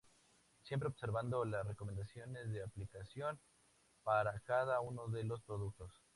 Siempre observando las recomendaciones de aplicación para cada uno de los productos.